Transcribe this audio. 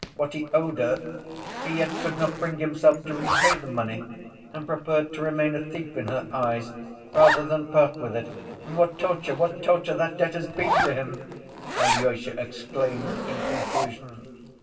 what he owed her, he yet could not bring himself to repay the money and preferred to remain a thief in her eyes rather than part with it. And what torture, what torture that debt has been to him!" Alyosha exclaimed in conclusion.